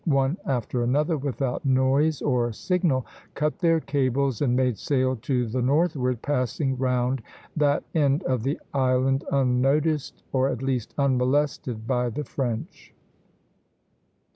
one after another, without noise or signal, cut their cables and made sail to the northward, passing round that end of the island unnoticed, or at least unmolested, by the French.